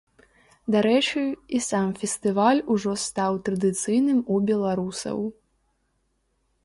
Дарэчы, і сам фестываль ужо стаў традыцыйным у беларусаў.